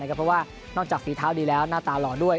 เพราะว่านอกจากฝีเท้าดีแล้วหน้าตาหล่อด้วย